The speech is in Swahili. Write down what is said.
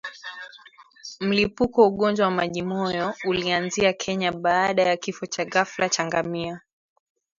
Mlipuko wa ugonjwa wa majimoyo ulianzia Kenya baada ya kifo cha ghafla cha ngamia